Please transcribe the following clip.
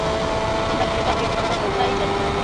আমরা গোটা প্রেক্ষাপটটাই জানি।